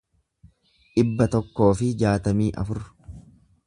dhibba tokkoo fi jaatamii afur